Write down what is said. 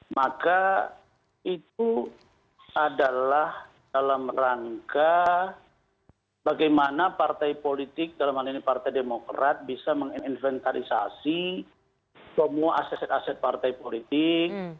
maka itu adalah dalam rangka bagaimana partai politik dalam hal ini partai demokrat bisa menginventarisasi semua aset aset partai politik